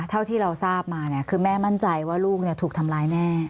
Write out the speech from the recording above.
เท่าที่เราทราบมาเนี่ยคือแม่มั่นใจว่าลูกถูกทำร้ายแน่